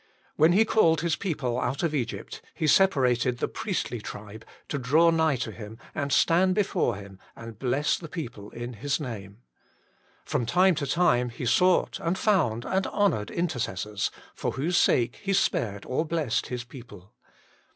When He called His people out of Egypt, He separated the priestly tribe, to draw nigh to Him, and stand before Him, and bless the people in His name. From time to time He sought and found and honoured inter cessors, for whose sake He spared or blessed His 174 THE MINISTRY OF INTERCESSION people.